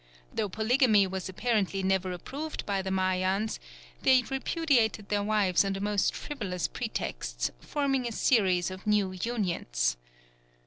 Though polygamy was apparently never approved by the Mayans, they repudiated their wives on the most frivolous pretexts, forming a series of new unions.